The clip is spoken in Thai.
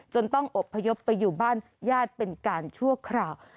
ต้องอบพยพไปอยู่บ้านญาติเป็นการชั่วคราว